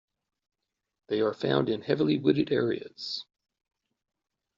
They are found in heavily wooded areas.